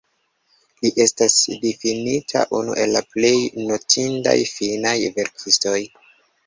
Li estas difinita unu el la plej notindaj finnaj verkistoj.